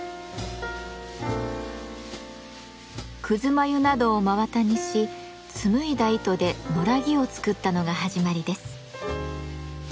くず繭などを真綿にし紡いだ糸で野良着を作ったのが始まりです。